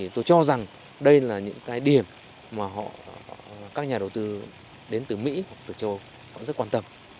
tôi cho rằng đây là những cái điểm mà các nhà đầu tư đến từ mỹ hoặc từ châu âu rất quan tâm